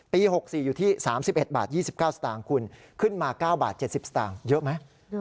๖๔อยู่ที่๓๑บาท๒๙สตางค์คุณขึ้นมา๙บาท๗๐สตางค์เยอะไหม